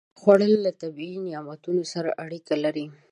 خوړل له طبیعي نعمتونو سره اړیکه لري